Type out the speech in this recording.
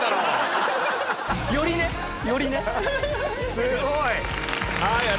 すごい！